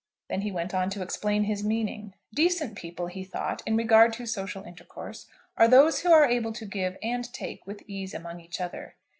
Then he went on to explain his meaning. Decent people, he thought, in regard to social intercourse, are those who are able to give and take with ease among each other.